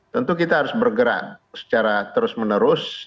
tentu kita harus bergerak secara terus menerus